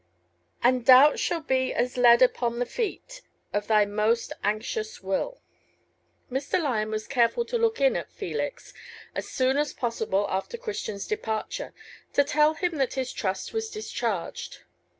And doubt shall be as lead upon the feet Of thy most anxious will. Mr. Lyon was careful to look in at Felix as soon as possible after Christian's departure, to tell him that his trust was discharged.